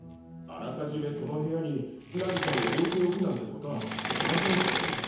あらかじめこの部屋に何かを置いておくなんてことはできませんし。